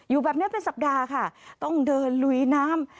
อยู่แบบนี้เป็นสัปดาห์ค่ะต้องเดินลุยน้ำ